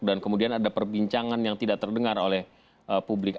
dan kemudian ada perbincangan yang tidak terdengar oleh publik